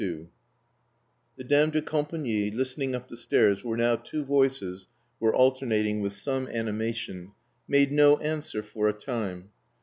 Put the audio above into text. The dame de compagnie, listening up the stairs where now two voices were alternating with some animation, made no answer for a time.